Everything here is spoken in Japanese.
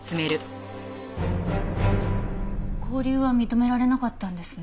勾留は認められなかったんですね。